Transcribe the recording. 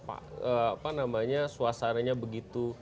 apa namanya suasananya begitu